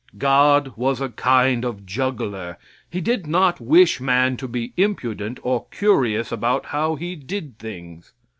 God was a kind of juggler. He did not wish man to be impudent or curious about how He did things.